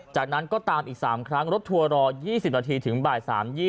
จากนั้นก็ตามอีก๓ครั้งรถทัวร์รอ๒๐นาทีถึงบ่าย๓๒